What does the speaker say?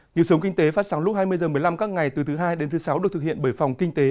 nhiều sống kinh tế phát sóng lúc hai mươi h một mươi năm các ngày từ thứ hai đến thứ sáu được thực hiện bởi phòng kinh tế